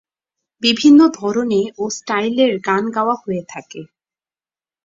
বিভিন্ন ধরনে ও স্টাইলের গান গাওয়া হয়ে থাকে।